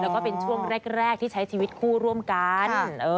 แล้วก็เป็นช่วงแรกที่ใช้ชีวิตคู่ร่วมกัน